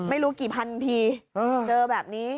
ไม่รู้กี่พันทีเจอแบบนี้